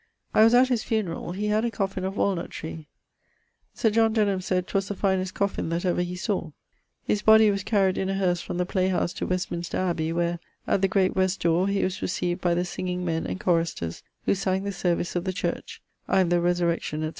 I was at his funerall. He had a coffin of walnutt tree; Sir John Denham sayd 'twas the finest coffin that ever he sawe. His body was carried in a herse from the play house to Westminster Abbey, where, at the great west dore, he was recieved by the sing men and choristers, who sang the service of the church ('I am the Resurrection, &c.')